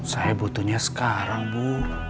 saya butuhnya sekarang bu